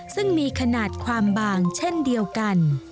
ซึ่งมีขนาดความบางเช่นเดียวกัน